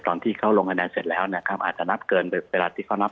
ตอนที่เขาลงคะแนนเสร็จแล้วเนี่ยเขาอาจจะนับเกินเวลาที่เขานับ